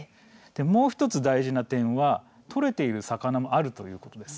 もう１つ大事な点は取れている魚もあるということです。